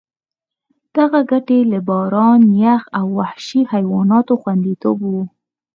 دغه ګټې له باران، یخ او وحشي حیواناتو خوندیتوب وو.